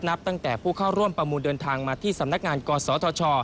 นับตั้งแต่ผู้เข้าร่วมประมูลเดินทางมาที่สำนักงานกศธช